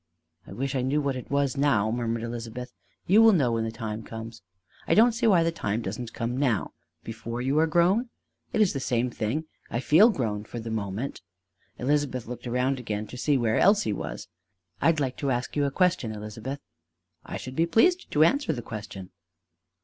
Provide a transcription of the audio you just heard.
"I wish I knew what it was now!" murmured Elizabeth. "You will know when the time comes." "I don't see why the time doesn't come now." "Before you are grown?" "It's the same thing I feel grown for the moment!" Elizabeth looked around again to see where Elsie was. "I'd like to ask you a question, Elizabeth." "I should be pleased to answer the question."